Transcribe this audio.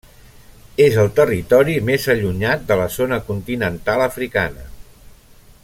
És el territori més allunyat de la zona continental africana.